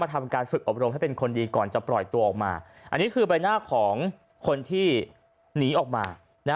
ทำการฝึกอบรมให้เป็นคนดีก่อนจะปล่อยตัวออกมาอันนี้คือใบหน้าของคนที่หนีออกมา